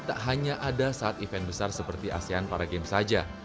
tak hanya ada saat event besar seperti asean para games saja